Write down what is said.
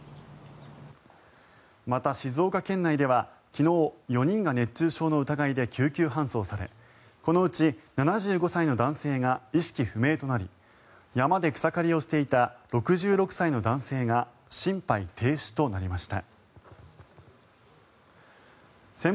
また、静岡県内では昨日、４人が熱中症の疑いで救急搬送されこのうち７５歳の男性が意識不明となり山で草刈りをしていた６６歳の男性が心肺停止となりました。